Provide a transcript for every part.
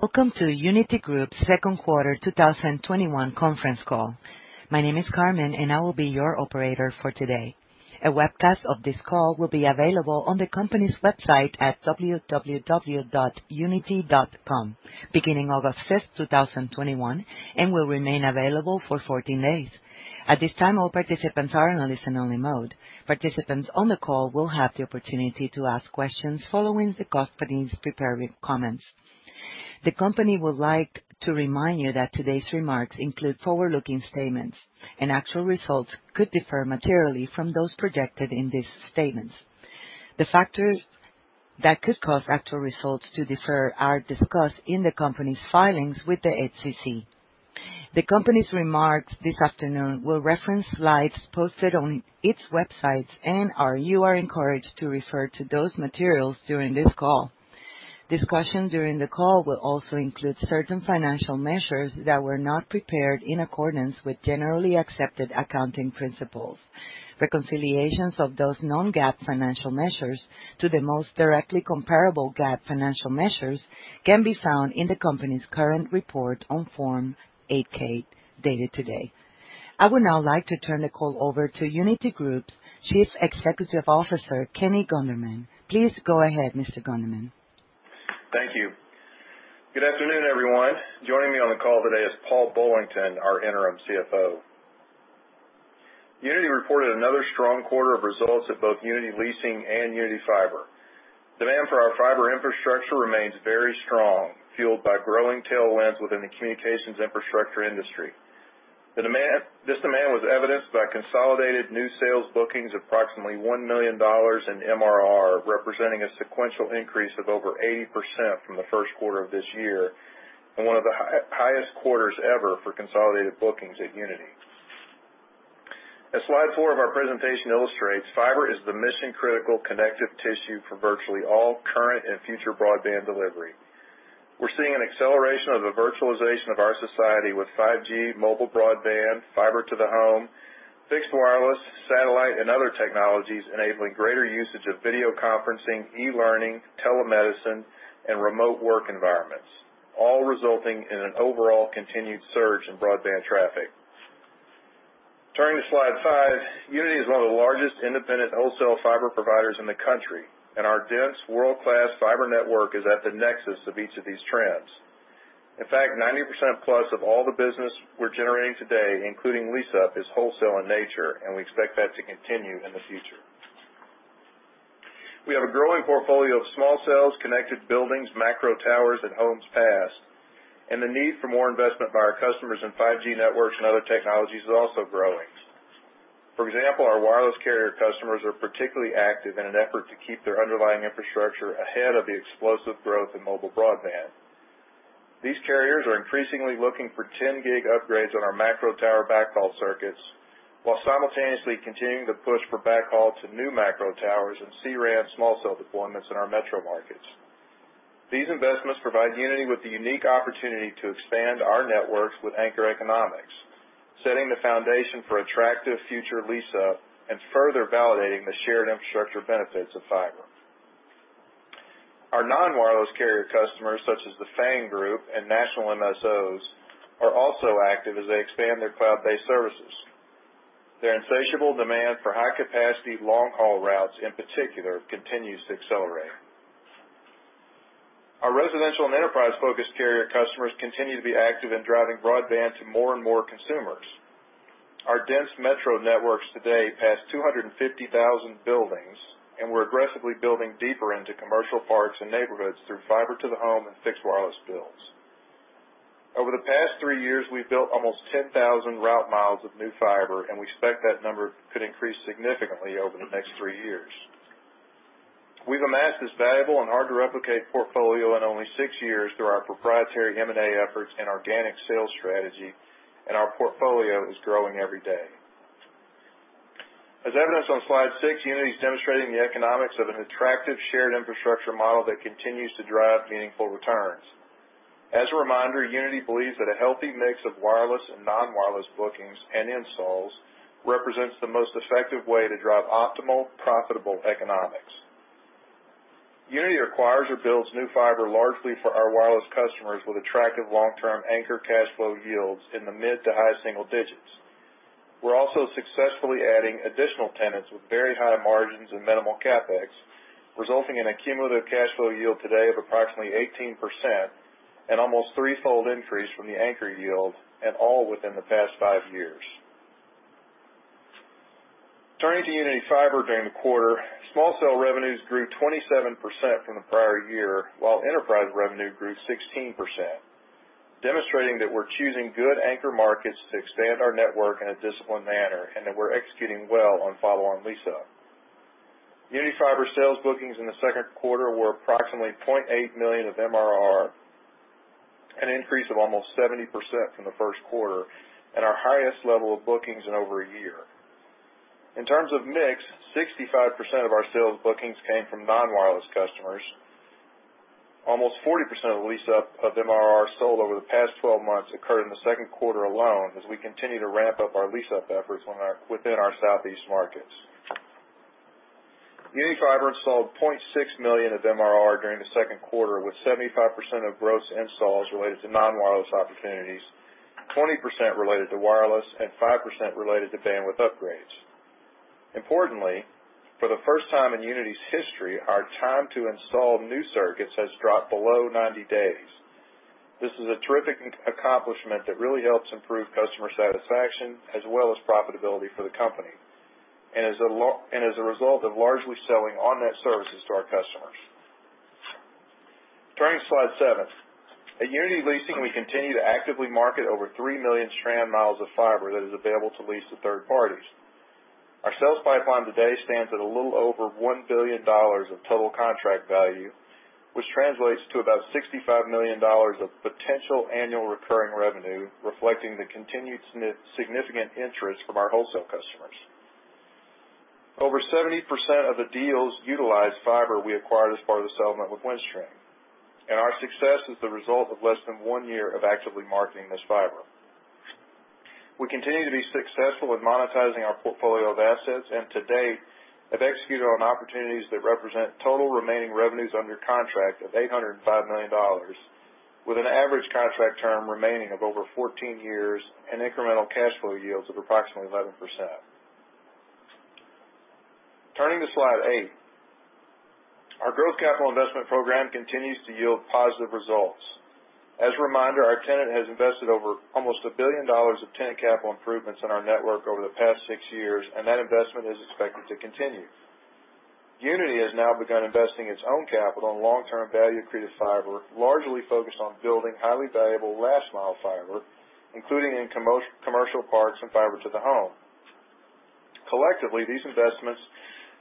Welcome to Uniti Group's Q2 2021 Conference Call. My name is Carmen, and I will be your operator for today. A webcast of this call will be available on the company's website at www.uniti.com beginning August 5th, 2021, and will remain available for 14 days. At this time, all participants are in listen-only mode. Participants on the call will have the opportunity to ask questions following the company's prepared comments. The company would like to remind you that today's remarks include forward-looking statements, and actual results could differ materially from those projected in these statements. The factors that could cause actual results to differ are discussed in the company's filings with the SEC. The company's remarks this afternoon will reference slides posted on its website, and you are encouraged to refer to those materials during this call. Discussion during the call will also include certain financial measures that were not prepared in accordance with generally accepted accounting principles. Reconciliations of those non-GAAP financial measures to the most directly comparable GAAP financial measures can be found in the company's current report on Form 8-K, dated today. I would now like to turn the call over to Uniti Group's Chief Executive Officer, Kenny Gunderman. Please go ahead, Mr. Gunderman. Thank you. Good afternoon, everyone. Joining me on the call today is Paul Bullington, our interim CFO. Uniti reported another strong quarter of results at both Uniti Leasing and Uniti Fiber. Demand for our fiber infrastructure remains very strong, fueled by growing tailwinds within the communications infrastructure industry. This demand was evidenced by consolidated new sales bookings of approximately $1 million in MRR, representing a sequential increase of over 80% from the first quarter of this year and one of the highest quarters ever for consolidated bookings at Uniti. As slide four of our presentation illustrates, fiber is the mission-critical connective tissue for virtually all current and future broadband delivery. We're seeing an acceleration of the virtualization of our society with 5G mobile broadband, fiber-to-the-home, fixed wireless, satellite, and other technologies enabling greater usage of video conferencing, e-learning, telemedicine, and remote work environments, all resulting in an overall continued surge in broadband traffic. Turning to slide five, Uniti is one of the largest independent wholesale fiber providers in the country, and our dense world-class fiber network is at the nexus of each of these trends. In fact, 90% plus of all the business we're generating today, including lease-up, is wholesale in nature, and we expect that to continue in the future. We have a growing portfolio of small cells, connected buildings, macro towers, and homes passed, and the need for more investment by our customers in 5G networks and other technologies is also growing. For example, our wireless carrier customers are particularly active in an effort to keep their underlying infrastructure ahead of the explosive growth in mobile broadband. These carriers are increasingly looking for 10-gig upgrades on our macro tower backhaul circuits while simultaneously continuing to push for backhaul to new macro towers and C-RAN small cell deployments in our metro markets. These investments provide Uniti with the unique opportunity to expand our networks with anchor economics, setting the foundation for attractive future lease-up and further validating the shared infrastructure benefits of fiber. Our non-wireless carrier customers, such as the FANG group and national MSOs, are also active as they expand their cloud-based services. Their insatiable demand for high-capacity, long-haul routes, in particular, continues to accelerate. Our residential and enterprise-focused carrier customers continue to be active in driving broadband to more and more consumers. Our dense metro networks today pass 250,000 buildings, and we're aggressively building deeper into commercial parks and neighborhoods through fiber-to-the-home and fixed wireless builds. Over the past three years, we've built almost 10,000 route miles of new fiber, and we expect that number could increase significantly over the next three years. We've amassed this valuable and hard-to-replicate portfolio in only six years through our proprietary M&A efforts and organic sales strategy, and our portfolio is growing every day. As evidenced on slide six, Uniti is demonstrating the economics of an attractive shared infrastructure model that continues to drive meaningful returns. As a reminder, Uniti believes that a healthy mix of wireless and non-wireless bookings and installs represents the most effective way to drive optimal, profitable economics. Uniti acquires or builds new fiber largely for our wireless customers with attractive long-term anchor cash flow yields in the mid to high single digits. We're also successfully adding additional tenants with very high margins and minimal CapEx, resulting in a cumulative cash flow yield today of approximately 18%, an almost threefold increase from the anchor yield, and all within the past five years. Turning to Uniti Fiber during the quarter, small cell revenues grew 27% from the prior year, while enterprise revenue grew 16%, demonstrating that we're choosing good anchor markets to expand our network in a disciplined manner and that we're executing well on follow-on lease-up. Uniti Fiber sales bookings in the second quarter were approximately $0.8 million of MRR, an increase of almost 70% from the first quarter, and our highest level of bookings in over a year. In terms of mix, 65% of our sales bookings came from non-wireless customers. Almost 40% of the lease-up of MRR sold over the past 12 months occurred in the second quarter alone as we continue to ramp up our lease-up efforts within our Southeast markets. Uniti Fiber installed $0.6 million of MRR during the second quarter, with 75% of gross installs related to non-wireless opportunities, 20% related to wireless, and 5% related to bandwidth upgrades. Importantly, for the first time in Uniti's history, our time to install new circuits has dropped below 90 days. This is a terrific accomplishment that really helps improve customer satisfaction as well as profitability for the company, as a result of largely selling on-net services to our customers. Turning to slide seven. At Uniti Leasing, we continue to actively market over 3 million strand miles of fiber that is available to lease to third parties. Our sales pipeline today stands at a little over $1 billion of total contract value, which translates to about $65 million of potential annual recurring revenue, reflecting the continued significant interest from our wholesale customers. Over 70% of the deals utilized fiber we acquired as part of the settlement with Windstream, and our success is the result of less than one year of actively marketing this fiber. We continue to be successful with monetizing our portfolio of assets and to date have executed on opportunities that represent total remaining revenues under contract of $805 million, with an average contract term remaining of over 14 years and incremental cash flow yields of approximately 11%. Turning to slide eight. Our growth capital investment program continues to yield positive results. As a reminder, our tenant has invested over almost $1 billion of tenant capital improvements in our network over the past six years, and that investment is expected to continue. Uniti Group has now begun investing its own capital in long-term value accretive fiber, largely focused on building highly valuable last mile fiber, including in commercial parks and fiber-to-the-home. Collectively, these investments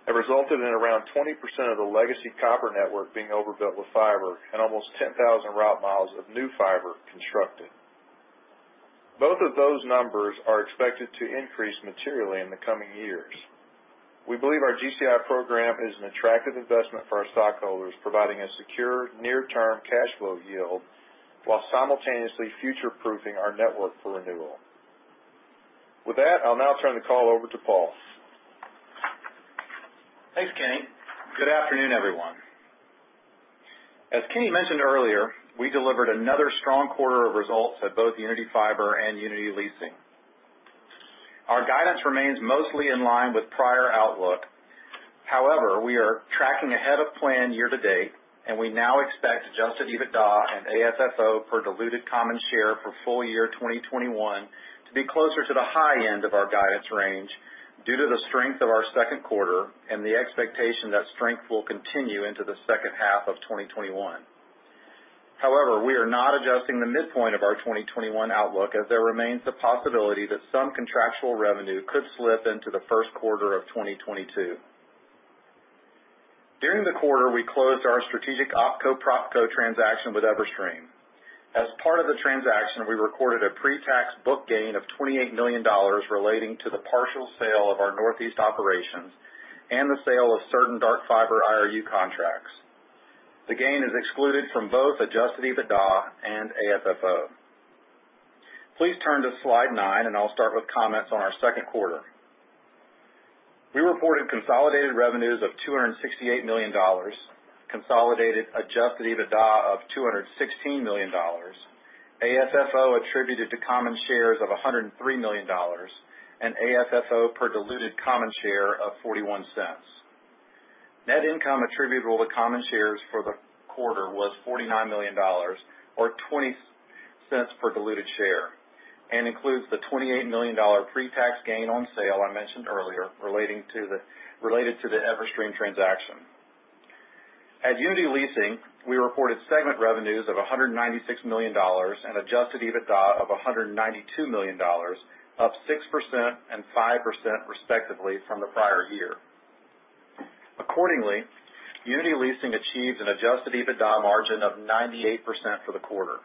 have resulted in around 20% of the legacy copper network being overbuilt with fiber and almost 10,000 route miles of new fiber constructed. Both of those numbers are expected to increase materially in the coming years. We believe our GCI program is an attractive investment for our stockholders, providing a secure near-term cash flow yield while simultaneously future-proofing our network for renewal. With that, I'll now turn the call over to Paul. Thanks, Kenny. Good afternoon, everyone. As Kenny mentioned earlier, we delivered another strong quarter of results at both Uniti Fiber and Uniti Leasing. Our guidance remains mostly in line with prior outlook. However, we are tracking ahead of plan year to date, and we now expect adjusted EBITDA and AFFO per diluted common share for full year 2021 to be closer to the high end of our guidance range due to the strength of our second quarter and the expectation that strength will continue into the second half of 2021. However, we are not adjusting the midpoint of our 2021 outlook as there remains the possibility that some contractual revenue could slip into the first quarter of 2022. During the quarter, we closed our strategic OpCo/PropCo transaction with Everstream. As part of the transaction, we recorded a pre-tax book gain of $28 million relating to the partial sale of our Northeast operations and the sale of certain dark fiber IRU contracts. The gain is excluded from both adjusted EBITDA and AFFO. Please turn to slide nine, and I'll start with comments on our second quarter. We reported consolidated revenues of $268 million, consolidated adjusted EBITDA of $216 million, AFFO attributed to common shares of $103 million, and AFFO per diluted common share of $0.41. Net income attributable to common shares for the quarter was $49 million, or $0.20 per diluted share, and includes the $28 million pre-tax gain on sale I mentioned earlier related to the Everstream transaction. At Uniti Leasing, we reported segment revenues of $196 million and adjusted EBITDA of $192 million, up 6% and 5% respectively from the prior year. Accordingly, Uniti Leasing achieved an adjusted EBITDA margin of 98% for the quarter.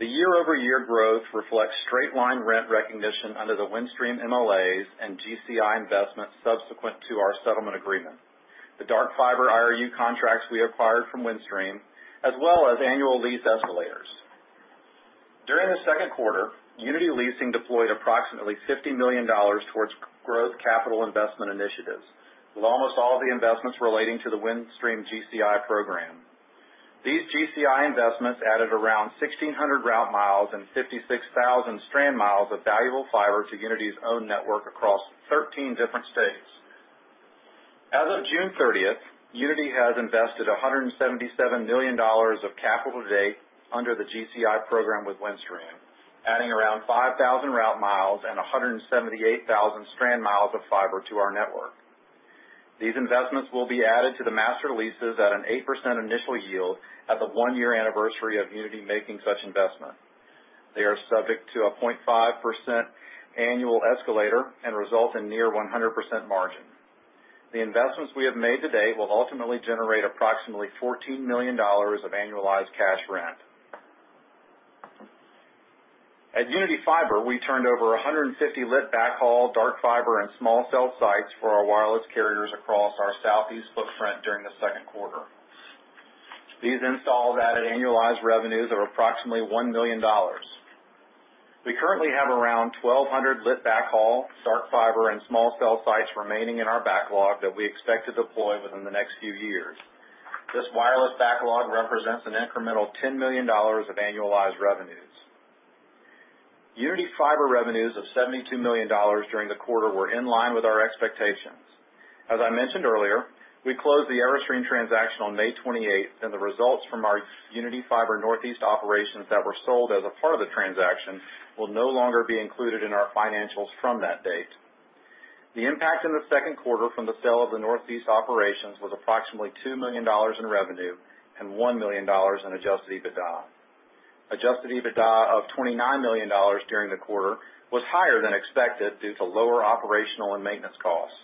The year-over-year growth reflects straight-line rent recognition under the Windstream MLAs and GCI investments subsequent to our settlement agreement, the dark fiber IRU contracts we acquired from Windstream, as well as annual lease escalators. During the second quarter, Uniti Leasing deployed approximately $50 million towards growth capital investment initiatives, with almost all the investments relating to the Windstream GCI program. These GCI investments added around 1,600 route miles and 56,000 strand miles of valuable fiber to Uniti's own network across 13 different states. As of June 30th, Uniti has invested $177 million of capital to date under the GCI program with Windstream, adding around 5,000 route miles and 178,000 strand miles of fiber to our network. These investments will be added to the master leases at an 8% initial yield at the one-year anniversary of Uniti making such investment. They are subject to a 0.5% annual escalator and result in near 100% margin. The investments we have made to date will ultimately generate approximately $14 million of annualized cash rent. At Uniti Fiber, we turned over 150 lit backhaul, dark fiber, and small cell sites for our wireless carriers across our southeast footprint during the second quarter. These installs added annualized revenues of approximately $1 million. We currently have around 1,200 lit backhaul, dark fiber, and small cell sites remaining in our backlog that we expect to deploy within the next few years. This wireless backlog represents an incremental $10 million of annualized revenues. Uniti Fiber revenues of $72 million during the quarter were in line with our expectations. As I mentioned earlier, we closed the Everstream transaction on May 28th, and the results from our Uniti Fiber Northeast operations that were sold as a part of the transaction will no longer be included in our financials from that date. The impact in the second quarter from the sale of the Northeast operations was approximately $2 million in revenue and $1 million in Adjusted EBITDA. Adjusted EBITDA of $29 million during the quarter was higher than expected due to lower operational and maintenance costs.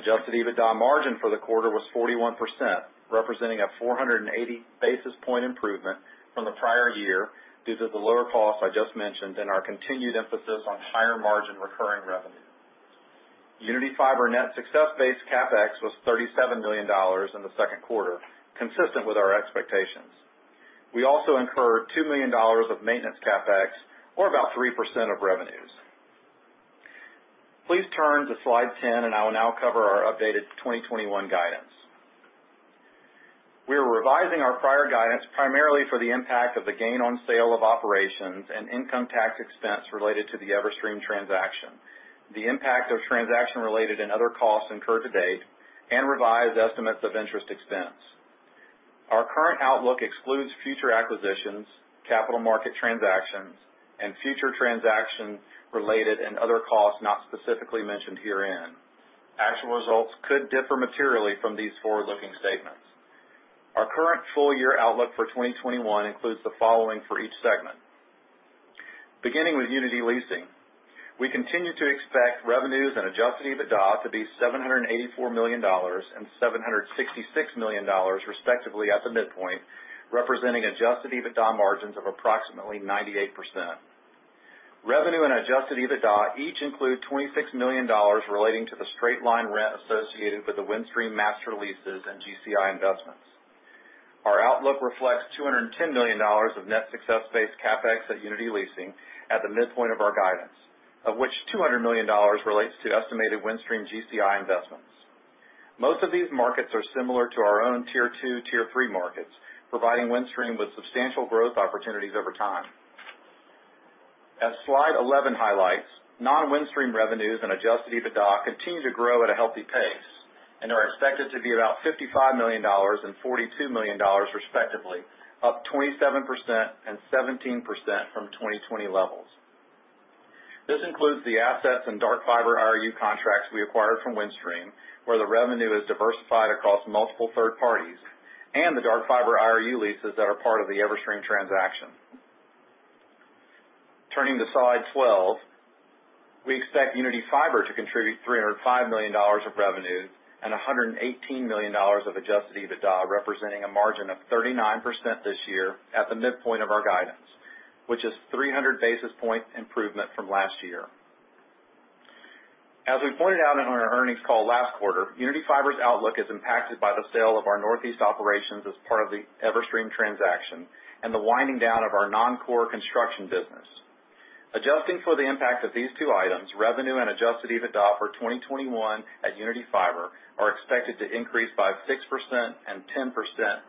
Adjusted EBITDA margin for the quarter was 41%, representing a 480 basis point improvement from the prior year due to the lower cost I just mentioned and our continued emphasis on higher margin recurring revenue. Uniti Fiber net success-based CapEx was $37 million in the second quarter, consistent with our expectations. We also incurred $2 million of maintenance CapEx, or about 3% of revenues. Please turn to slide 10, and I will now cover our updated 2021 guidance. We are revising our prior guidance primarily for the impact of the gain on sale of operations and income tax expense related to the Everstream transaction, the impact of transaction-related and other costs incurred to date, and revised estimates of interest expense. Our current outlook excludes future acquisitions, capital market transactions, and future transaction-related and other costs not specifically mentioned herein. Actual results could differ materially from these forward-looking statements. Our current full-year outlook for 2021 includes the following for each segment. Beginning with Uniti Leasing, we continue to expect revenues and adjusted EBITDA to be $784 million and $766 million respectively at the midpoint, representing adjusted EBITDA margins of approximately 98%. Revenue and adjusted EBITDA each include $26 million relating to the straight-line rent associated with the Windstream master leases and GCI investments. Our outlook reflects $210 million of net success-based CapEx at Uniti Leasing at the midpoint of our guidance, of which $200 million relates to estimated Windstream GCI investments. Most of these markets are similar to our own tier 2, tier 3 markets, providing Windstream with substantial growth opportunities over time. As slide 11 highlights, non-Windstream revenues and adjusted EBITDA continue to grow at a healthy pace and are expected to be about $55 million and $42 million respectively, up 27% and 17% from 2020 levels. This includes the assets and dark fiber IRU contracts we acquired from Windstream, where the revenue is diversified across multiple third parties, and the dark fiber IRU leases that are part of the Everstream transaction. Turning to slide 12, we expect Uniti Fiber to contribute $305 million of revenue and $118 million of adjusted EBITDA, representing a margin of 39% this year at the midpoint of our guidance, which is 300 basis point improvement from 2020. As we pointed out on our earnings call last quarter, Uniti Fiber's outlook is impacted by the sale of our Northeast operations as part of the Everstream transaction and the winding down of our non-core construction business. Adjusting for the impact of these two items, revenue and adjusted EBITDA for 2021 at Uniti Fiber are expected to increase by 6% and 10%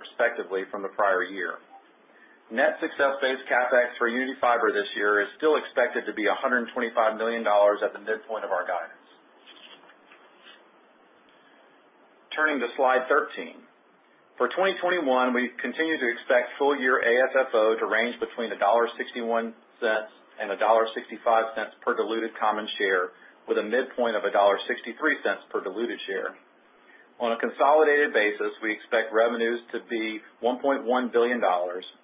respectively from 2020. Net success-based CapEx for Uniti Fiber this year is still expected to be $125 million at the midpoint of our guidance. Turning to slide 13. For 2021, we continue to expect full-year AFFO to range between $1.61 and $1.65 per diluted common share, with a midpoint of $1.63 per diluted share. On a consolidated basis, we expect revenues to be $1.1 billion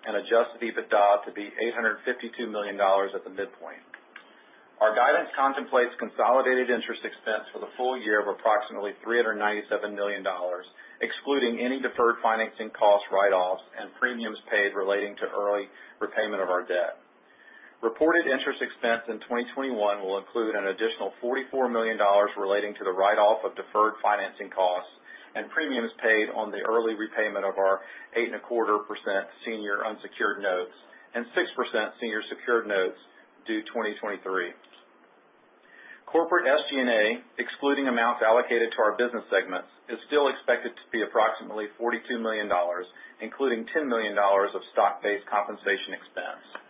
and adjusted EBITDA to be $852 million at the midpoint. Our guidance contemplates consolidated interest expense for the full year of approximately $397 million, excluding any deferred financing cost write-offs and premiums paid relating to early repayment of our debt. Reported interest expense in 2021 will include an additional $44 million relating to the write-off of deferred financing costs and premiums paid on the early repayment of our 8.25% senior unsecured notes and 6% senior secured notes due 2023. Corporate SG&A, excluding amounts allocated to our business segments, is still expected to be approximately $42 million, including $10 million of stock-based compensation expense.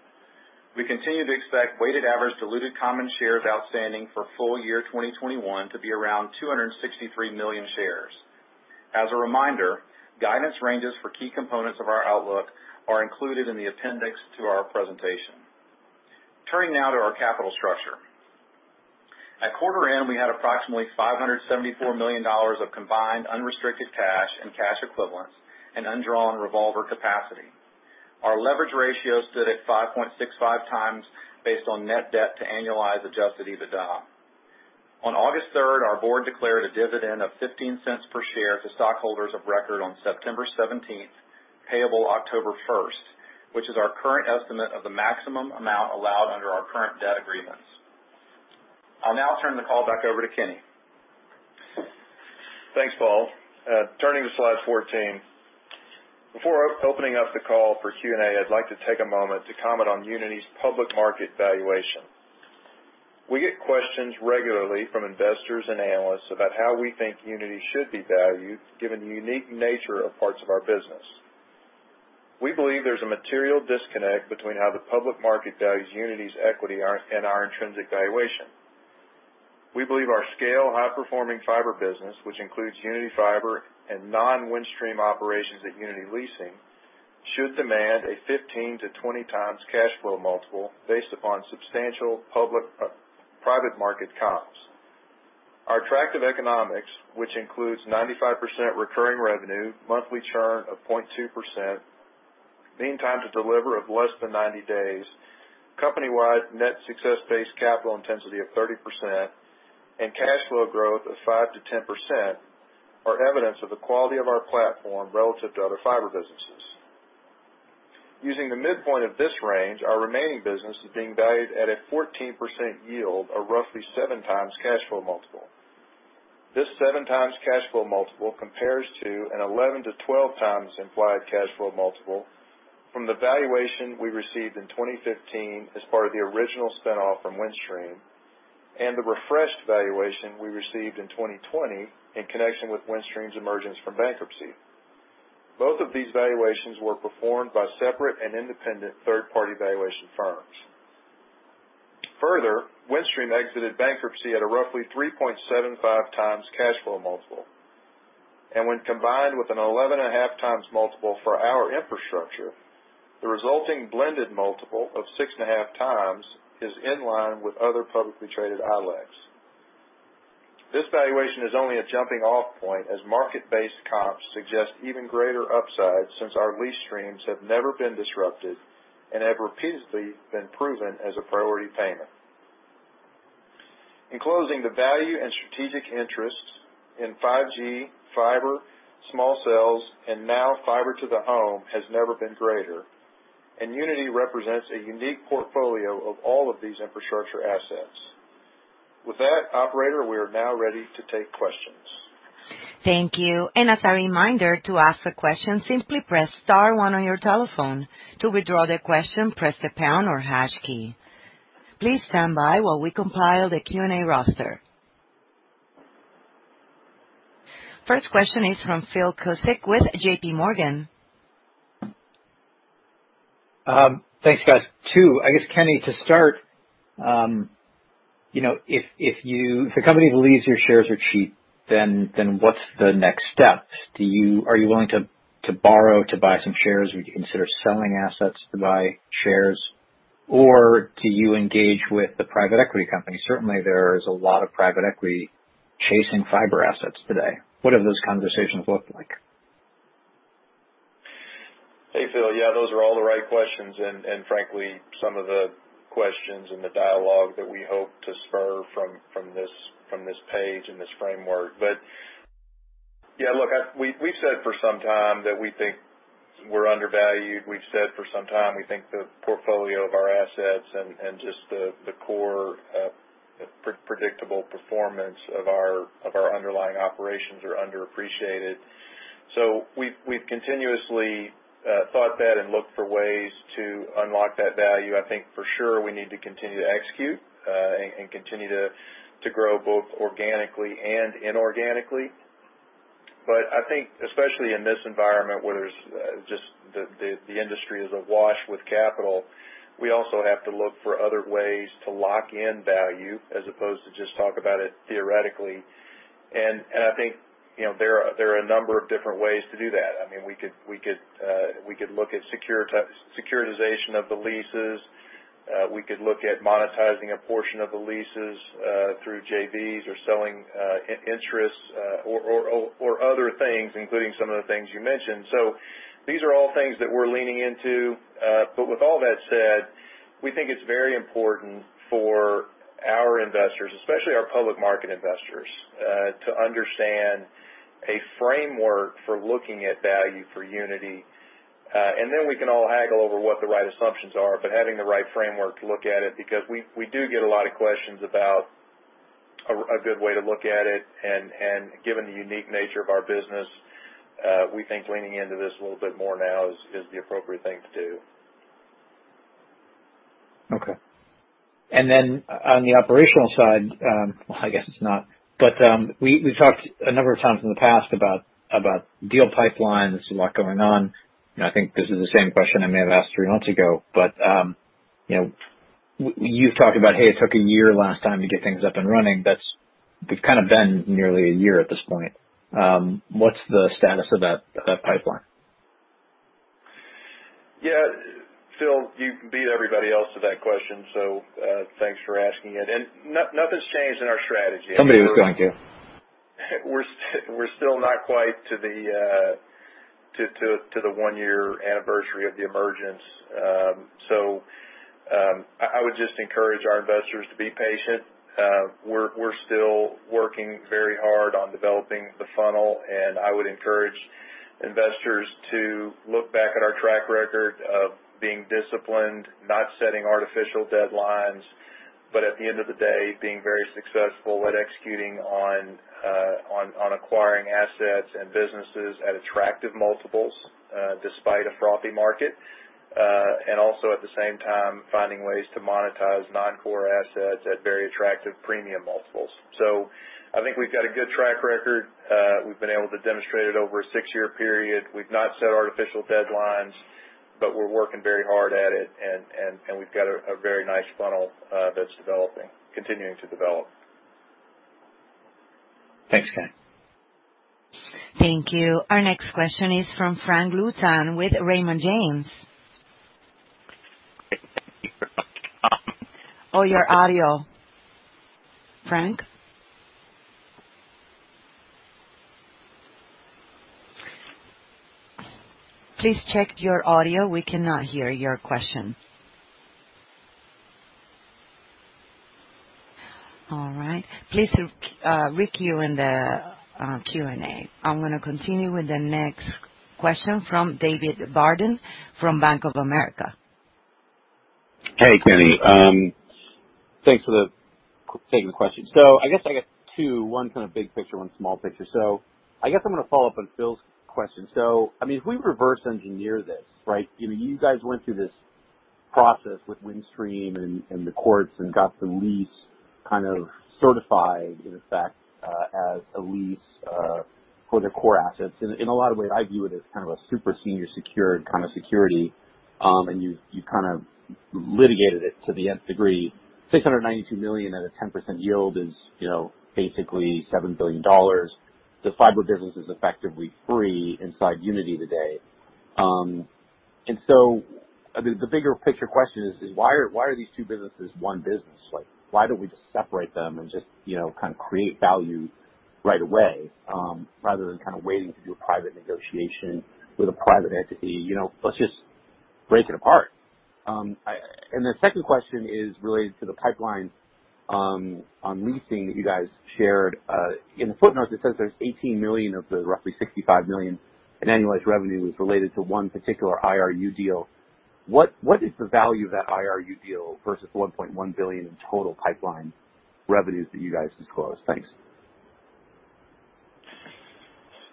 We continue to expect weighted average diluted common shares outstanding for full-year 2021 to be around 263 million shares. As a reminder, guidance ranges for key components of our outlook are included in the appendix to our presentation. Turning now to our capital structure. At quarter end, we had approximately $574 million of combined unrestricted cash and cash equivalents and undrawn revolver capacity. Our leverage ratio stood at 5.65x based on net debt to annualized adjusted EBITDA. On August 3rd, our board declared a dividend of $0.15 per share to stockholders of record on September 17th, payable October 1st, which is our current estimate of the maximum amount allowed under our current debt agreements. I'll now turn the call back over to Kenny. Thanks, Paul. Turning to slide 14. Before opening up the call for Q&A, I'd like to take a moment to comment on Uniti's public market valuation. We get questions regularly from investors and analysts about how we think Uniti should be valued, given the unique nature of parts of our business. We believe there's a material disconnect between how the public market values Uniti's equity and our intrinsic valuation. We believe our scale high-performing fiber business, which includes Uniti Fiber and non-Windstream operations at Uniti Leasing, should demand a 15- 20x cash flow multiple based upon substantial private market comps. Our attractive economics, which includes 95% recurring revenue, monthly churn of 0.2%, mean time to deliver of less than 90 days, company-wide net success-based capital intensity of 30%, and cash flow growth of 5%-10%, are evidence of the quality of our platform relative to other fiber businesses. Using the midpoint of this range, our remaining business is being valued at a 14% yield or roughly 7x cash flow multiple. This 7x cash flow multiple compares to an 11-12x implied cash flow multiple from the valuation we received in 2015 as part of the original spin-off from Windstream, and the refreshed valuation we received in 2020 in connection with Windstream's emergence from bankruptcy. Both of these valuations were performed by separate and independent third-party valuation firms. Further, Windstream exited bankruptcy at a roughly 3.75x cash flow multiple, and when combined with an 11.5x multiple for our infrastructure, the resulting blended multiple of 6.5x is in line with other publicly traded ILECs. This valuation is only a jumping-off point as market-based comps suggest even greater upside since our lease streams have never been disrupted and have repeatedly been proven as a priority payment. In closing, the value and strategic interests in 5G, fiber, small cells, and now fiber-to-the-home has never been greater, and Uniti represents a unique portfolio of all of these infrastructure assets. With that, operator, we are now ready to take questions. Thank you. As a reminder to ask a question, simply press star one on your telephone. To withdraw the question, press the pound or hash key. Please stand by while we compile the Q&A roster. First question is from Phil Cusick with J.P. Morgan. Thanks, guys. I guess, Kenny, to start, if the company believes your shares are cheap, what's the next step? Are you willing to borrow to buy some shares? Would you consider selling assets to buy shares? Do you engage with the private equity company? Certainly, there is a lot of private equity chasing fiber assets today. What do those conversations look like? Hey, Phil. Yeah, those are all the right questions, and frankly, some of the questions and the dialogue that we hope to spur from this page and this framework. Yeah, look, we've said for some time that we think we're undervalued. We've said for some time we think the portfolio of our assets and just the core predictable performance of our underlying operations are underappreciated. We've continuously thought that and looked for ways to unlock that value. I think for sure we need to continue to execute and continue to grow both organically and inorganically. I think especially in this environment where the industry is awash with capital, we also have to look for other ways to lock in value as opposed to just talk about it theoretically. I think there are a number of different ways to do that. We could look at securitization of the leases. We could look at monetizing a portion of the leases through JVs or selling interests or other things, including some of the things you mentioned. These are all things that we're leaning into. With all that said, we think it's very important for our investors, especially our public market investors, to understand a framework for looking at value for Uniti. We can all haggle over what the right assumptions are, but having the right framework to look at it, because we do get a lot of questions about a good way to look at it. Given the unique nature of our business, we think leaning into this a little bit more now is the appropriate thing to do. Okay. On the operational side, well, I guess it's not, but we talked a number of times in the past about deal pipelines, a lot going on, I think this is the same question I may have asked three months ago. You've talked about, hey, it took a year last time to get things up and running. It's kind of been nearly a year at this point. What's the status of that pipeline? Yeah. Phil, you beat everybody else to that question, so thanks for asking it. Nothing's changed in our strategy. Somebody was going to. We're still not quite to the one year anniversary of the emergence. I would just encourage our investors to be patient. We're still working very hard on developing the funnel, and I would encourage investors to look back at our track record of being disciplined, not setting artificial deadlines, but at the end of the day, being very successful at executing on acquiring assets and businesses at attractive multiples, despite a frothy market. Also, at the same time, finding ways to monetize non-core assets at very attractive premium multiples. I think we've got a good track record. We've been able to demonstrate it over a six-year period. We've not set artificial deadlines, but we're working very hard at it, and we've got a very nice funnel that's continuing to develop. Thanks, Kenny. Thank you. Our next question is from Frank Louthan with Raymond James. Oh, your audio. Frank? Please check your audio. We cannot hear your question. All right. Please requeue in the Q&A. I'm going to continue with the next question from David Barden from Bank of America. Hey, Kenny. Thanks for taking the question. I guess I got two. One kind of big picture, one small picture. I guess I'm going to follow up on Phil's question. If we reverse engineer this, right? You guys went through this process with Windstream and the courts and got the lease kind of certified, in effect, as a lease for the core assets. In a lot of ways, I view it as kind of a super senior secured kind of security. You kind of litigated it to the nth degree. $692 million at a 10% yield is basically $7 billion. The fiber business is effectively free inside Uniti today. The bigger picture question is why are these two businesses one business? Why don't we just separate them and just create value right away, rather than waiting to do a private negotiation with a private entity. Let's just break it apart. The second question is related to the pipeline on leasing that you guys shared. In the footnotes, it says there's $18 million of the roughly $65 million in annualized revenue was related to one particular IRU deal. What is the value of that IRU deal versus the $1.1 billion in total pipeline revenues that you guys disclosed? Thanks.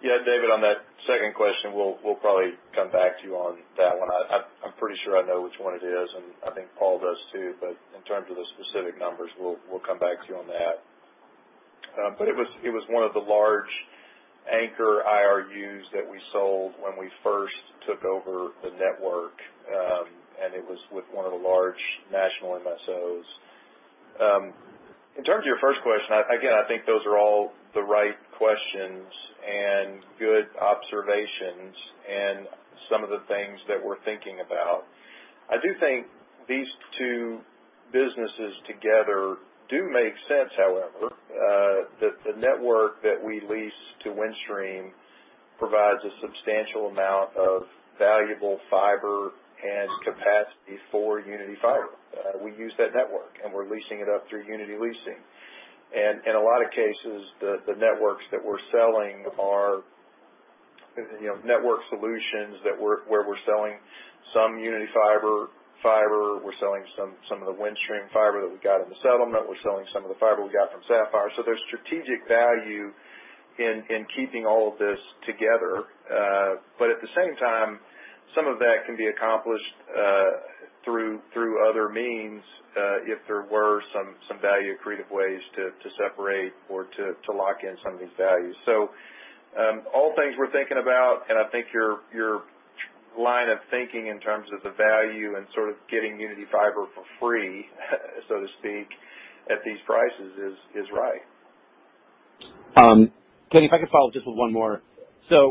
Yeah, David, on that second question, we'll probably come back to you on that one. I'm pretty sure I know which one it is, and I think Paul does too. In terms of the specific numbers, we'll come back to you on that. It was one of the large anchor IRUs that we sold when we first took over the network, and it was with one of the large national MSOs. In terms of your first question, again, I think those are all the right questions and good observations and some of the things that we're thinking about. I do think these two businesses together do make sense, however. The network that we lease to Windstream provides a substantial amount of valuable fiber and capacity for Uniti Fiber. We use that network, and we're leasing it up through Uniti Leasing. In a lot of cases, the networks that we're selling are network solutions where we're selling some Uniti Fiber fiber, we're selling some of the Windstream fiber that we got in the settlement, we're selling some of the fiber we got from Sapphire. There's strategic value in keeping all of this together. At the same time, some of that can be accomplished through other means if there were some value creative ways to separate or to lock in some of these values. All things we're thinking about, and I think your line of thinking in terms of the value and sort of getting Uniti Fiber for free, so to speak, at these prices is right. Kenny, if I could follow up just with one more.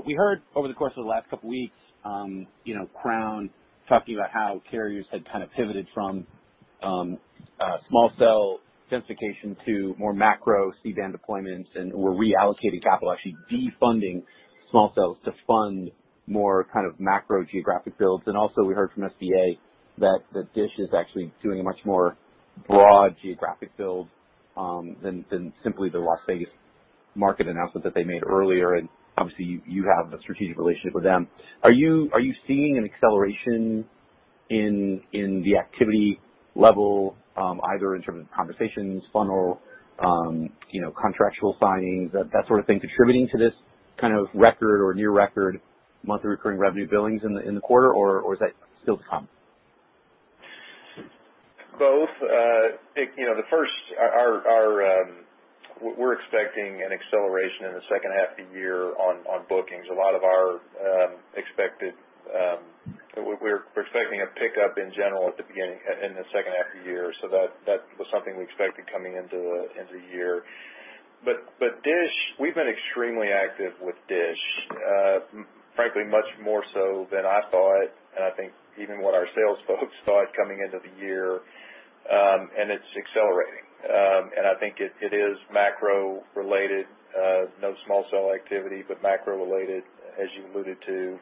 We heard over the course of the last couple of weeks, Crown talking about how carriers had kind of pivoted from small cell densification to more macro C-band deployments and were reallocating capital, actually defunding small cells to fund more kind of macro geographic builds. Also we heard from SBA that DISH is actually doing a much more broad geographic build than simply the Las Vegas market announcement that they made earlier. Obviously, you have a strategic relationship with them. Are you seeing an acceleration in the activity level, either in terms of conversations, funnel, contractual signings, that sort of thing contributing to this kind of record or near record monthly recurring revenue billings in the quarter, or is that still to come? Both. We're expecting an acceleration in the second half of the year on bookings. We're expecting a pickup in general at the beginning, in the second half of the year. That was something we expected coming into the year. DISH, we've been extremely active with DISH. Frankly, much more so than I thought, and I think even what our sales folks thought coming into the year, and it's accelerating. I think it is macro related, no small cell activity, but macro related as you alluded to.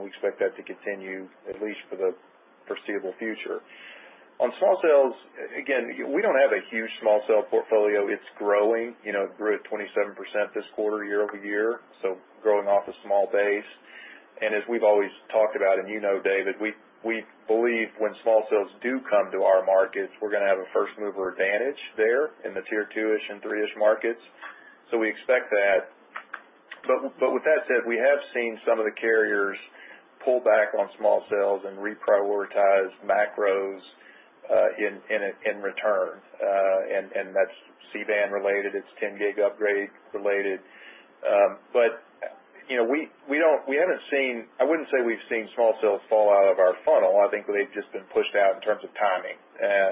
We expect that to continue, at least for the foreseeable future. Small cells, again, we don't have a huge small cell portfolio. It's growing. It grew at 27% this quarter year-over-year, so growing off a small base. As we've always talked about, you know, David, we believe when small cells do come to our markets, we're going to have a first-mover advantage there in the tier 2-ish and 3-ish markets. We expect that. With that said, we have seen some of the carriers pull back on small cells and reprioritize macros in return. That's C-band related. It's 10 gig upgrade related. I wouldn't say we've seen small cells fall out of our funnel. I think they've just been pushed out in terms of timing.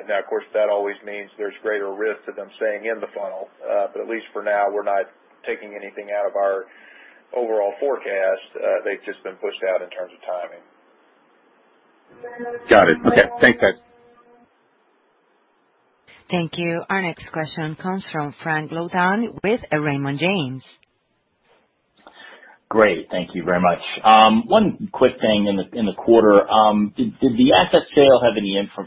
Now, of course, that always means there's greater risk to them staying in the funnel. At least for now, we're not taking anything out of our overall forecast. They've just been pushed out in terms of timing. Got it. Okay, thanks guys. Thank you. Our next question comes from Frank Louthan with Raymond James. Great. Thank you very much. one quick thing in the quarter. Did the asset sale to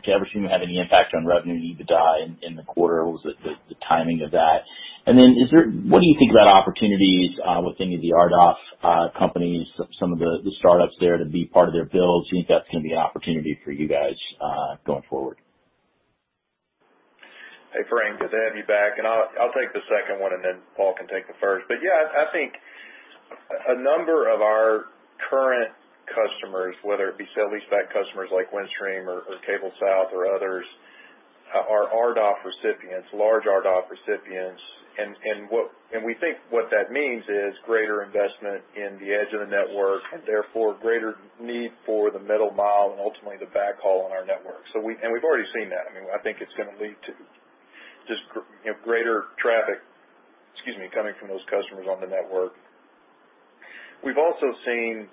Everstream have any impact on revenue EBITDA in the quarter? What was the timing of that? What do you think about opportunities with any of the RDOF companies, some of the startups there to be part of their builds? Do you think that's going to be an opportunity for you guys, going forward? Hey, Frank, good to have you back. I'll take the second one, then Paul can take the first. Yeah, I think a number of our current customers, whether it be sale-leaseback customers like Windstream or CableSouth or others, are RDOF recipients, large RDOF recipients. We think what that means is greater investment in the edge of the network and therefore greater need for the middle mile and ultimately the backhaul on our network. We've already seen that. I think it's going to lead to just greater traffic coming from those customers on the network. We've also seen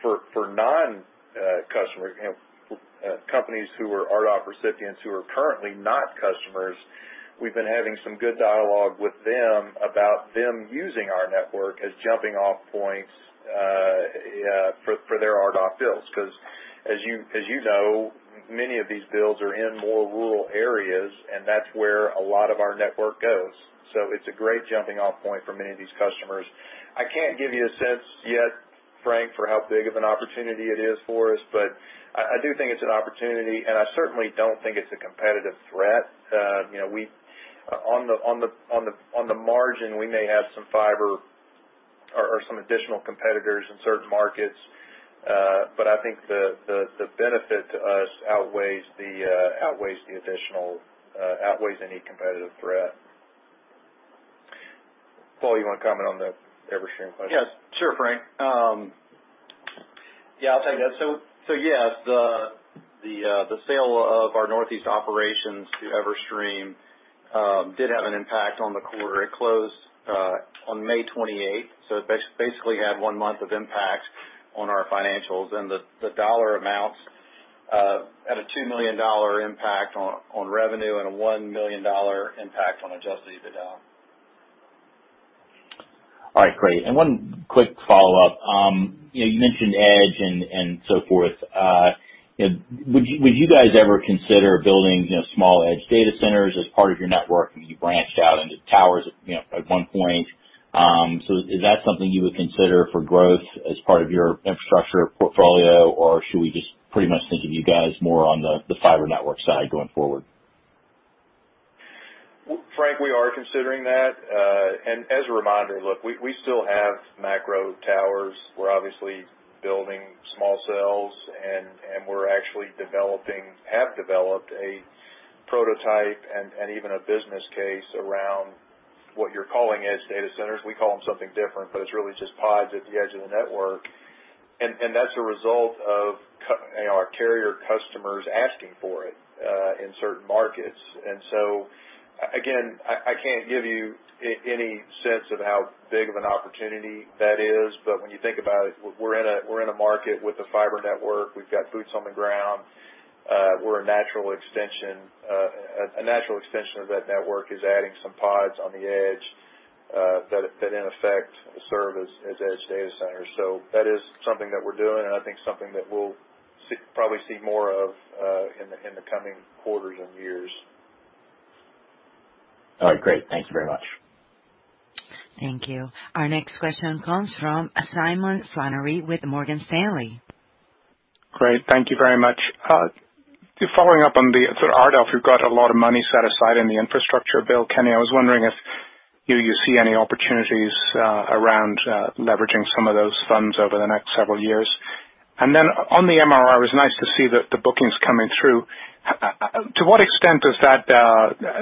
for non-customers, companies who are RDOF recipients who are currently not customers, we've been having some good dialogue with them about them using our network as jumping-off points for their RDOF builds. As you know, many of these builds are in more rural areas, and that's where a lot of our network goes. It's a great jumping-off point for many of these customers. I can't give you a sense yet, Frank, for how big of an opportunity it is for us, but I do think it's an opportunity, and I certainly don't think it's a competitive threat. On the margin, we may have some fiber or some additional competitors in certain markets. I think the benefit to us outweighs any competitive threat. Paul, you want to comment on the Everstream question? Yes, sure, Frank. Yeah, I'll take that. Yes, the sale of our Northeast operations to Everstream did have an impact on the quarter. It closed on May 28th, so it basically had one month of impact on our financials. The dollar amounts, had a $2 million impact on revenue and a $1 million impact on adjusted EBITDA. All right, great. One quick follow-up. You mentioned edge and so forth. Would you guys ever consider building small edge data centers as part of your network? I mean, you branched out into towers at one point. Is that something you would consider for growth as part of your infrastructure portfolio, or should we just pretty much think of you guys more on the fiber network side going forward? Frank, we are considering that. As a reminder, look, we still have macro towers. We're obviously building small cells, and we're actually developing, have developed a prototype and even a business case around what you're calling edge data centers. We call them something different, but it's really just pods at the edge of the network. That's a result of our carrier customers asking for it in certain markets. Again, I can't give you any sense of how big of an opportunity that is. When you think about it, we're in a market with a fiber network. We've got boots on the ground. A natural extension of that network is adding some pods on the edge, that in effect serve as edge data centers. That is something that we're doing, and I think something that we'll probably see more of in the coming quarters and years. All right, great. Thank you very much. Thank you. Our next question comes from Simon Flannery with Morgan Stanley. Great. Thank you very much. Following up on the RDOF, you've got a lot of money set aside in the infrastructure bill. Kenny, I was wondering if you see any opportunities around leveraging some of those funds over the next several years. On the MRR, it's nice to see the bookings coming through. To what extent does that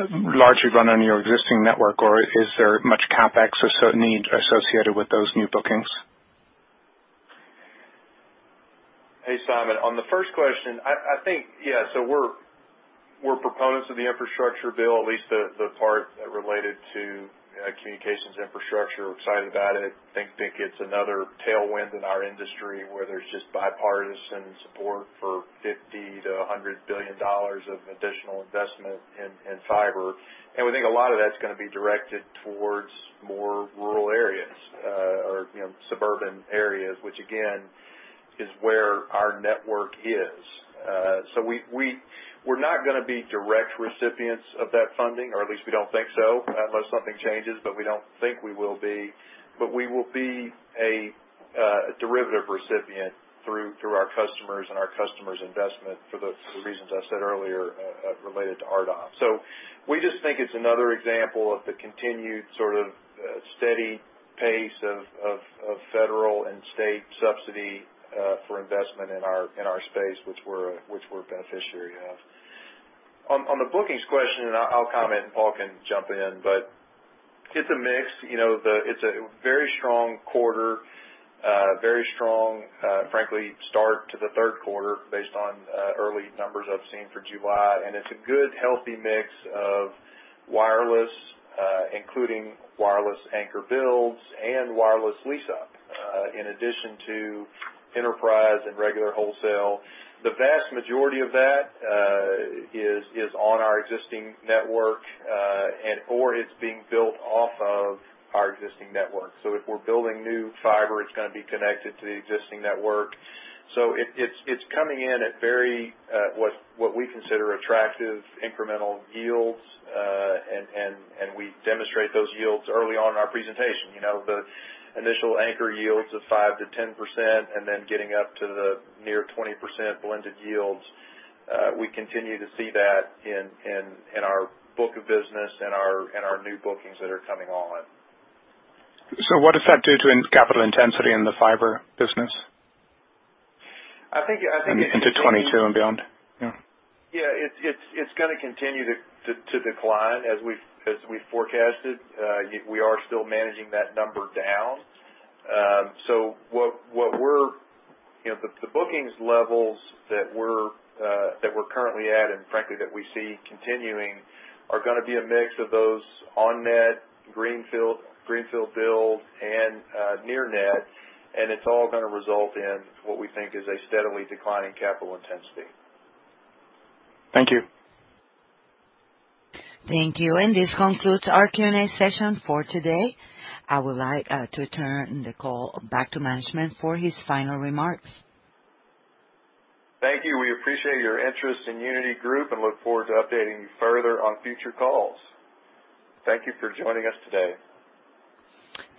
largely run on your existing network, or is there much CapEx or need associated with those new bookings? Hey, Simon. On the first question, I think. We're proponents of the infrastructure bill, at least the part related to communications infrastructure. We're excited about it. We think it's another tailwind in our industry where there's just bipartisan support for $50 billion-$100 billion of additional investment in fiber. We think a lot of that's going to be directed towards more rural suburban areas, which again, is where our network is. We're not going to be direct recipients of that funding, or at least we don't think so, unless something changes, but we don't think we will be. We will be a derivative recipient through our customers and our customers' investment for the reasons I said earlier related to RDOF. We just think it's another example of the continued sort of steady pace of federal and state subsidy for investment in our space, which we're a beneficiary of. On the bookings question, and I'll comment, and Paul can jump in, but it's a mix. It's a very strong quarter, very strong, frankly, start to the third quarter based on early numbers I've seen for July. It's a good, healthy mix of wireless, including wireless anchor builds and wireless lease-up, in addition to enterprise and regular wholesale. The vast majority of that is on our existing network or it's being built off of our existing network. If we're building new fiber, it's going to be connected to the existing network. It's coming in at very, what we consider attractive incremental yields, and we demonstrate those yields early on in our presentation. The initial anchor yields of 5%-10%, and then getting up to the near 20% blended yields. We continue to see that in our book of business and our new bookings that are coming on. What does that do to capital intensity in the fiber business? I think it- Into 2022 and beyond. Yeah. Yeah. It's going to continue to decline as we forecasted. We are still managing that number down. The bookings levels that we're currently at, and frankly, that we see continuing, are going to be a mix of those on-net, greenfield build, and near net, and it's all going to result in what we think is a steadily declining capital intensity. Thank you. Thank you. This concludes our Q&A session for today. I would like to turn the call back to management for his final remarks. Thank you. We appreciate your interest in Uniti Group, and look forward to updating you further on future calls. Thank you for joining us today.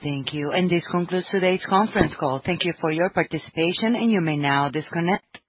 Thank you. This concludes today's conference call. Thank you for your participation, and you may now disconnect.